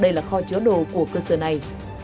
đây là kho chứa đồ của cơ sở này